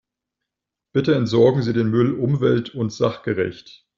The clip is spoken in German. Bitte entsorgen Sie den Müll umwelt- und sachgerecht.